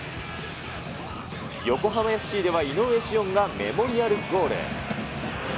横浜ＦＣでは井上潮音がメモリアルゴール。